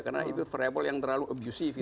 karena itu variabel yang terlalu abusif gitu